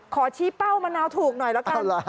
ขอชี้เป้ามะนาวถูกหน่อยละกัน